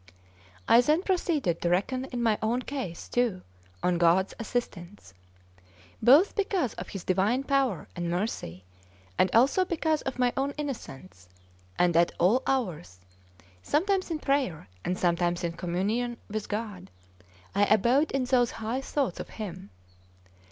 I then proceeded to reckon in my own case too on God's assistance, both because of His divine power and mercy, and also because of my own innocence; and at all hours, sometimes in prayer and sometimes in communion with God, I abode in those high thoughts of Him.